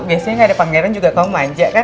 biasanya gak ada pangeran juga kamu manja kan